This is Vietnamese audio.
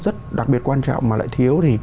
rất đặc biệt quan trọng mà lại thiếu